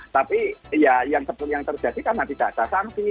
tapi ya yang terjadi karena tidak ada sanksi